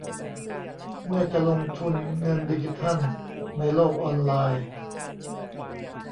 เมื่อจะลงทุนเงินดิจิทัลในโลกออนไลน์